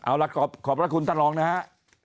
เอาละขอบพระคุณท่านรองนะฮะ